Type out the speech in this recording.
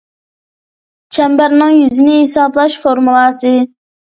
چەمبەرنىڭ يۈزىنى ھېسابلاش فورمۇلاسى